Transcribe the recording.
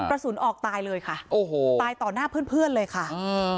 กระสุนออกตายเลยค่ะโอ้โหตายต่อหน้าเพื่อนเพื่อนเลยค่ะอืม